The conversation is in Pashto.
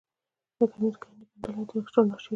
د کمیس ګنډ کې یې ګنډلې د رڼا شعرونه